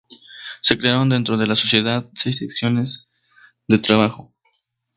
Se crearon dentro de la sociedad seis secciones de trabajo.